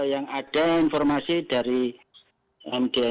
yang ada informasi dari mdmc muhammadiyah jelajap